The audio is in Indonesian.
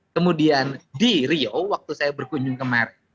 kemudian di rio waktu saya berkunjung kemaren